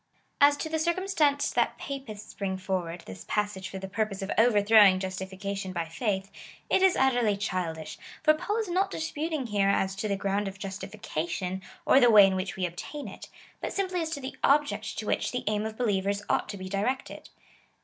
As to the circumstance that Papists bring forward this passage for the purpose of overthrowing justification by faith, it is utterly childish ; for Paul is not disputing here as to the ground of justification, or the way in which we obtain it, but simply as to the object to which the aim of believers ought to be directed.